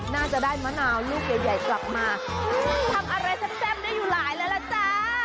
น่าจะได้มะนาวลูกใหญ่กลับมาทำอะไรแซ่บได้อยู่หลายแล้วล่ะจ๊ะ